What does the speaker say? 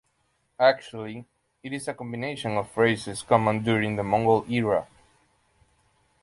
Actually, it is a combination of phrases common during the Mongol era.